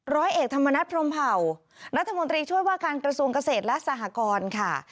ร้อยเอกธรรมนัฐพรมเผ่ารัฐมนตรีช่วยว่าการกระทรวงเกษตรและสหกรค่ะ